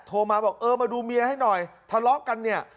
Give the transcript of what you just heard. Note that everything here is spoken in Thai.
โทรมาบอกเออมาดูเมียให้หน่อยทะเลาะกันเนี่ย